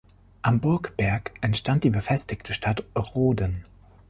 Am Burgberg entstand die befestigte Stadt "Rhoden".